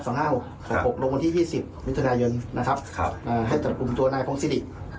ลงวันที่๒๐มิถุนายนนะครับให้จับกลุ่มตัวนายพงศิริ